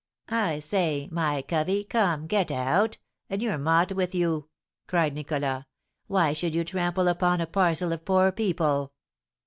"I say, my 'covey,' come, get out, and your 'mot' with you!" cried Nicholas; "why should you trample upon a parcel of poor people!"